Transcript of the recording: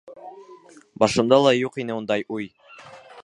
—Башымда ла юҡ ине ундай уй!